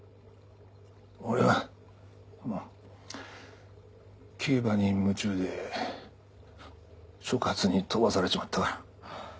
俺は競馬に夢中で所轄に飛ばされちまったから。